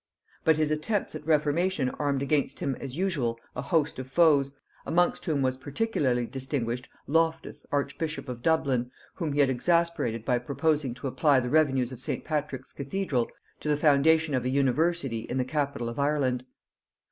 But his attempts at reformation armed against him, as usual, a host of foes, amongst whom was particularly distinguished Loftus archbishop of Dublin, whom he had exasperated by proposing to apply the revenues of St. Patrick's cathedral to the foundation of an university in the capital of Ireland.